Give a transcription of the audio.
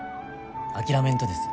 諦めんとです